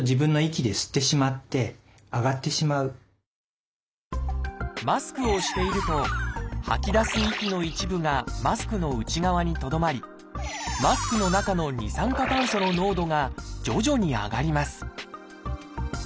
マスクをしてマスクをしていると吐き出す息の一部がマスクの内側にとどまりマスクの中の二酸化炭素の濃度が徐々に上がります